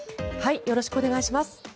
よろしくお願いします。